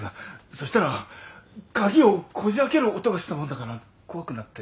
そうしたら鍵をこじ開ける音がしたもんだから怖くなって。